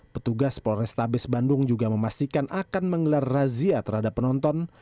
petugas polrestabes bandung juga memastikan akan menggelar razia terhadap penonton